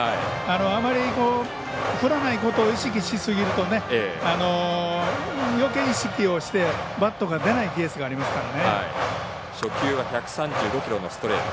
あまり振らないことを意識しすぎるとよけい意識をしてバットが出ないケースがありますからね。